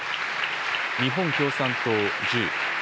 日本共産党１０。